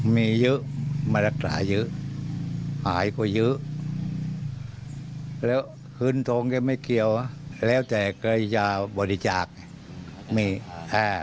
มีเยอะมารักษาเยอะหายก็เยอะแล้วคืนทงแกไม่เกี่ยวแล้วแต่ก็จะบริจาค